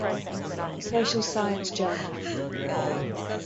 The Social Science Journal.